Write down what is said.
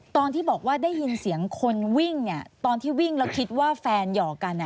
ตอนที่บอกว่าได้ยินเสียงคนวิ่งตอนที่วิ่งแล้วคิดว่าแฟนหยอกกัน